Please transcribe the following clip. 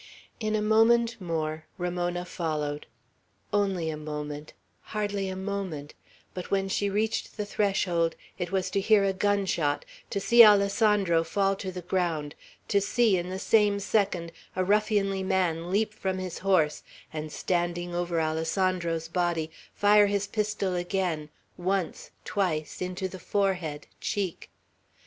In a moment more Ramona followed, only a moment, hardly a moment; but when she reached the threshold, it was to hear a gun shot, to see Alessandro fall to the ground, to see, in the same second, a ruffianly man leap from his horse, and standing over Alessandro's body, fire his pistol again, once, twice, into the forehead, cheek.